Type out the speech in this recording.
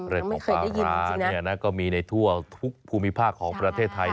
เรื่องของปลาร้าก็มีในทั่วทุกภูมิภาคของประเทศไทย